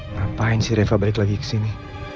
ngapain sih reva balik lagi ke sini